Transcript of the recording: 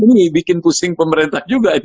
ini bikin pusing pemerintah juga